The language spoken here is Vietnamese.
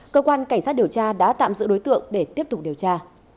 cơ quan cảnh sát điều tra đã tạm giữ đối tượng để tiếp tục điều tra